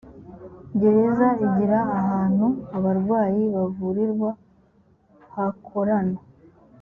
gereza igira ahantu abarwayi bavurirwa hakorana